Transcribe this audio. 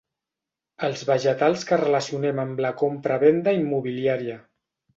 Els vegetals que relacionem amb la compra-venda immobiliària.